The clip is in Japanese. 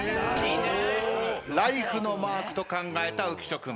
ライフのマークと考えた浮所君。